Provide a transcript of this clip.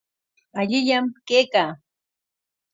Allillam kaykaa.